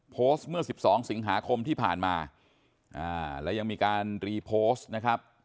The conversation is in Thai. โพสต์เมื่อ๑๒สิงหาคมที่ผ่านมาแล้วยังมีการรีโพสต์นะครับ